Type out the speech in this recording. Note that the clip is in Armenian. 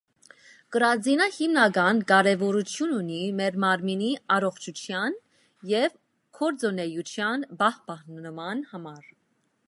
Կրածինը հիմնական կարեւորութիւն ունի մեր մարմինի առողջութեան եւ գործունէութեան պահմանման համար։